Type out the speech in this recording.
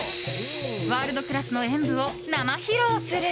ワールドクラスの演舞を生披露する。